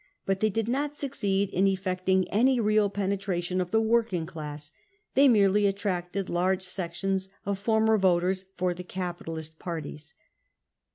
But they did not succeed in effecting any real penetration of the working class. They merely attracted large sections of former voters for the capitalist parties.